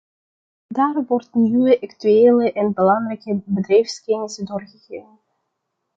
Daar wordt nieuwe, actuele en belangrijke bedrijfskennis doorgegeven.